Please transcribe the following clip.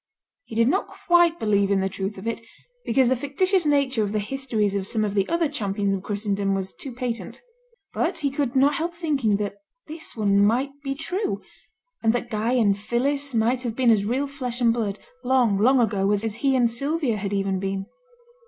He did not quite believe in the truth of it, because the fictitious nature of the histories of some of the other Champions of Christendom was too patent. But he could not help thinking that this one might be true; and that Guy and Phillis might have been as real flesh and blood, long, long ago, as he and Sylvia had even been.